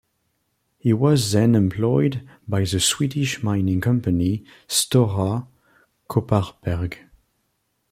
He was then employed by the Swedish mining company, Stora Kopparberg.